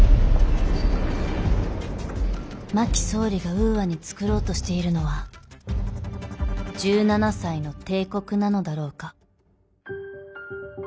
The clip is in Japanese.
真木総理がウーアに創ろうとしているのは１７才の帝国なのだろうか。